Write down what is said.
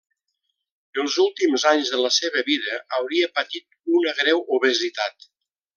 Els últims anys de la seva vida hauria patit una greu obesitat.